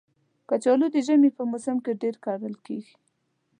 کچالو د ژمي په موسم کې ډېر کرل کېږي